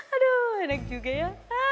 aduh enak juga ya